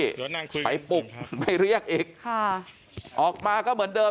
เดี๋ยวนั่งคุยกันไปปุ่มไม่เรียกเอ็กซ์ค่ะออกมาก็เหมือนเดิม